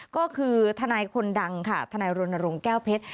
ก็คือทนายคนดังค่ะทนายรณรงค์แก้วเพชร